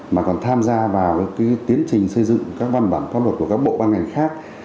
mà còn tham gia vào tiến trình xây dựng các văn bản pháp luật của các bộ ban ngành khác